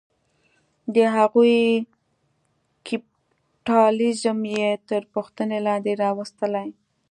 د هغوی کیپیټالیزم یې تر پوښتنې لاندې راوستلې.